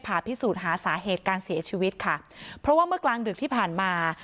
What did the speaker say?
พิสูจน์หาสาเหตุการเสียชีวิตค่ะเพราะว่าเมื่อกลางดึกที่ผ่านมา